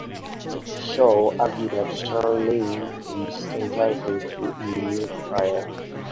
Shaw argued that Shanley is entitled to a new trial.